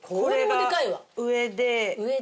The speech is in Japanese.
上で。